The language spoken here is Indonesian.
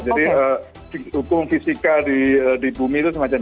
jadi hukum fisika di bumi itu semacam ini